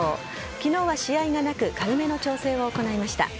昨日は試合がなく軽めの調整を行いました。